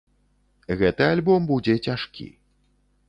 Гэты альбом будзе цяжкі.